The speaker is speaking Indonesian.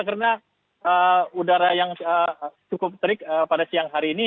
karena udara yang cukup terik pada siang hari ini